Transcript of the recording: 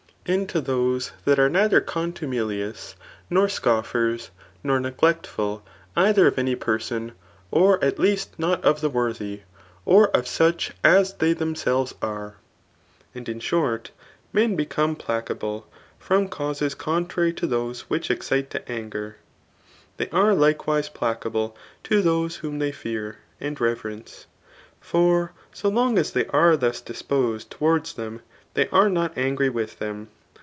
And to those, that are neither contumelious^ nor scoffers, nor neglectful, dther of any person, or at least not of the worthy, or of such as they thentsdves are. And in short, men become placable from causes contrary to those which excite to anger. They are l&e wise placable to those whom they fear, and reverence; for so long as they are thus disposed towards them they are not angry with them.